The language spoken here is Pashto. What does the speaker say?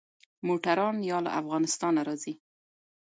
موټران يا له افغانستانه راځي.